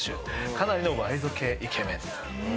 かなりのワイルド系イケメンと。